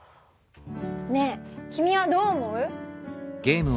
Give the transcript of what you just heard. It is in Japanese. ねえ君はどう思う？